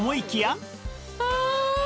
ああ！